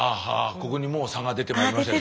ここにもう差が出てまいりましたね。